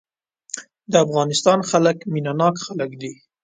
د افغانستان خلک مينه ناک خلک دي.